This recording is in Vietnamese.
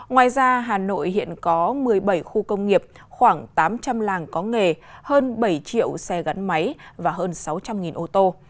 ngoài ra hà nội hiện có một mươi bảy khu công nghiệp khoảng tám trăm linh làng có nghề hơn bảy triệu xe gắn máy và hơn sáu trăm linh ô tô